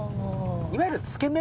いわゆる。